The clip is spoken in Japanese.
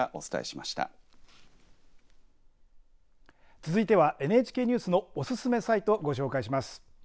続いてはＮＨＫニュースのおすすめサイト、ご紹介します。